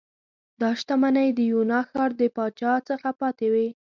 دا شتمنۍ د یونا ښار د پاچا څخه پاتې وې